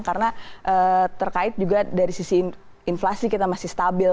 karena terkait juga dari sisi inflasi kita masih stabil